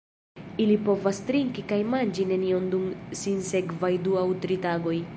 Ili povas trinki kaj manĝi nenion dum sinsekvaj du aŭ tri tagoj.